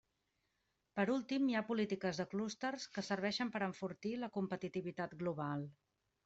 Per últim, hi ha polítiques de clústers que serveixen per a enfortir la competitivitat global.